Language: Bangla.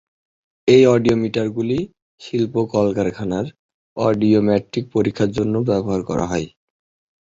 এই অডিওমিটারগুলি শিল্পকারখানার অডিওমেট্রিক পরীক্ষার জন্যও ব্যবহার করা হয়।